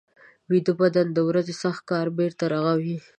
ویده بدن د ورځې سخت کار بېرته رغوي